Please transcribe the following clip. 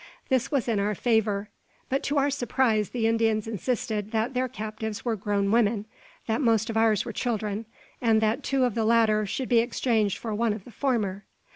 This was in our favour; but, to our surprise, the Indians insisted that their captives were grown women, that most of ours were children, and that two of the latter should be exchanged for one of the former!